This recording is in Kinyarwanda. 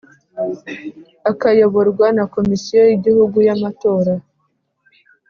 akayoborwa na Komisiyo y Igihugu y Amatora